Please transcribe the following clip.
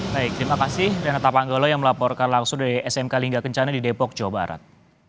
baik terima kasih renata panggalo yang melaporkan langsung dari smk lingga kencana di depok jawa barat